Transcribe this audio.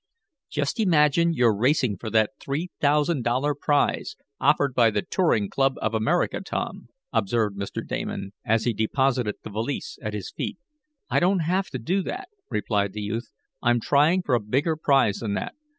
"Just imagine you're racing for that three thousand dollar prize, offered by the Touring Club of America, Tom," observed Mr. Damon, as he deposited the valise at his feet. "I don't have to do that," replied the youth. "I'm trying for a bigger prize than that.